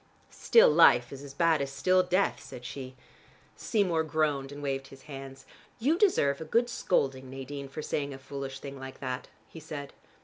"Still life is as bad as still death," said she. Seymour groaned and waved his hands. "You deserve a good scolding, Nadine, for saying a foolish thing like that," he said.